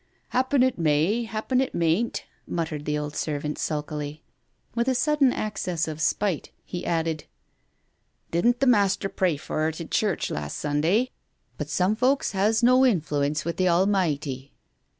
"Happen it may, happen it mayn't !" muttered the old ^servant sulkily. With a sudden access of spite, he * added, "Didn't the master pray for it i' church last Sunda' ? But some folks has no influence with the Almighty.